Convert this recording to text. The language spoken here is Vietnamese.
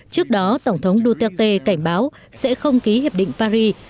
trước đó tổng thống duterte cảnh báo sẽ không ký hiệp định paris